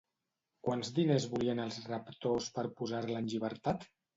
Quants diners volien els raptors per posar-la en llibertat?